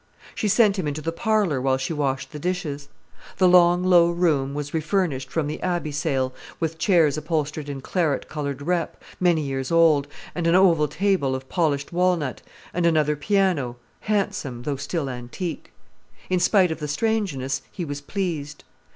She sent him into the parlour while she washed the dishes. The long low room was refurnished from the Abbey sale, with chairs upholstered in claret coloured rep, many years old, and an oval table of polished walnut, and another piano, handsome, though still antique. In spite of the strangeness, he was pleased.